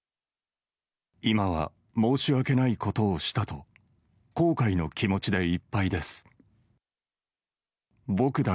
今は申し訳ないことをしたと、後悔の気持ちでいっぱいです。